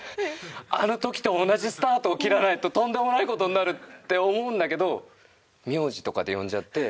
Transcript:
あの時と同じスタートを切らないととんでもない事になるって思うんだけど名字とかで呼んじゃって。